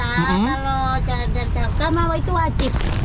kalau di raja karta kalau di jalan jalan jalan kamau itu wajib